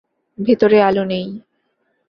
ভেতরে আলো নেই।